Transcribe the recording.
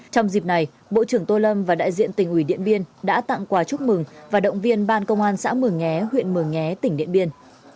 trong dịp này bộ trưởng tô lâm và đại diện tỉnh ủy điện biên đã tặng quà chúc mừng và động viên ban công an xã mường nhé huyện mường nhé tỉnh điện biên